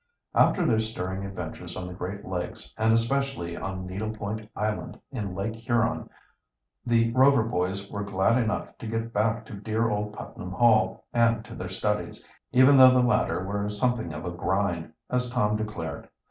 After their stirring adventures on the Great Lakes, and especially on Needle Point Island in Lake Huron, the Rover boys were glad enough to get back to dear old Putnam Hall and to their studies, even though the latter were something of a "grind," as Tom declared.